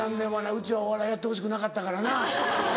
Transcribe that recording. うちはお笑いやってほしくなかったからな。